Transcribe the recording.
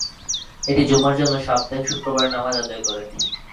এটি জুমার জন্য সাপ্তাহিক শুক্রবারের নামাজ আদায় করে।